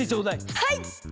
はい！